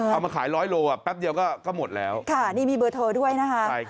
เอามาขายร้อยโลแป๊บเดียวก็หมดแล้วค่ะนี่มีเบอร์โทรด้วยนะคะ